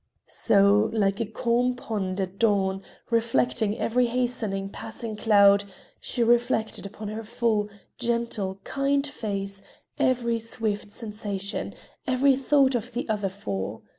So like a calm pond at dawn, reflecting every hastening, passing cloud, she reflected upon her full, gentle, kind face every swift sensation, every thought of the other four.